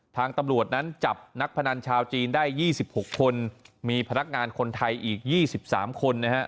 ทางตำรวจนั้นจับนักพนันชาวจีนได้๒๖คนมีพนักงานคนไทยอีก๒๓คนนะฮะ